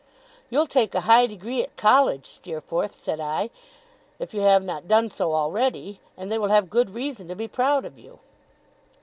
'You'll take a high degree at college, Steerforth,' said I, 'if you have not done so already; and they will have good reason to be proud of you.